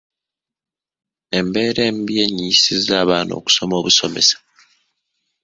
Embeera embi enyiyisa abaana okusoma obusomesa.